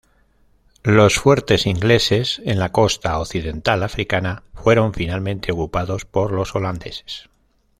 Los fuertes ingleses en la costa occidental africana fueron finalmente ocupados por los holandeses.